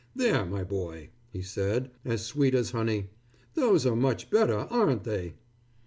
"There my boy," he said, as sweet as honey. "Those are much better, aren't they!"